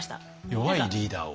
弱いリーダーを。